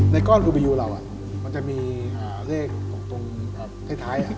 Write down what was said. ในก้อนอุปริยุเรามันจะมีเลข๖ตรงท้าย